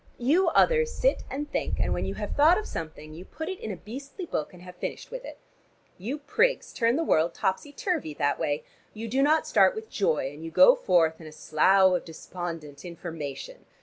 You others sit and think, and when you have thought of something you put it in a beastly book, and have finished with it. You prigs turn the world topsy turvy that way. You do not start with joy, and you go forth in a slough of despondent information.